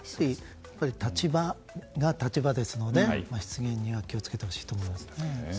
立場が立場ですので失言には気を付けてほしいと思います。